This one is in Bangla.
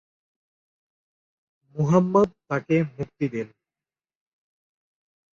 মুহাম্মাদ তাকে মুক্তি দেন।